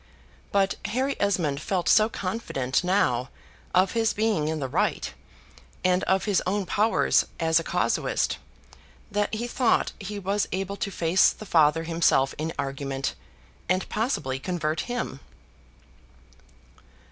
But Harry Esmond felt so confident now of his being in the right, and of his own powers as a casuist, that he thought he was able to face the Father himself in argument, and possibly convert him.